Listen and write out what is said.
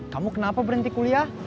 kamu kenapa berhenti kuliah